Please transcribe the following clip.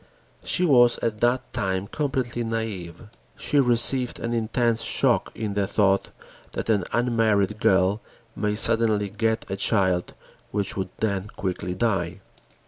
She was at that time completely naïve. She received an intense shock in the thought that an unmarried girl may suddenly get a child which would then quickly die.